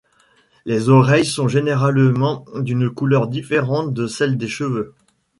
Les oreilles sont généralement d'une couleur différente de celle des cheveux.